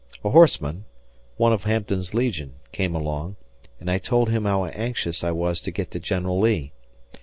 A horseman one of Hampton's legion came along, and I told him how anxious I was to get to General Lee.